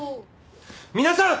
皆さん！